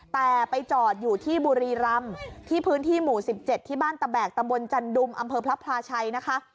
แต่ไปจอดอยู่ที่บุรีรำที่พื้นที่หมู่๑๗ที่บ้านตะแบกตำบลจันดุมอำเภอพระพลาชัยนะคะ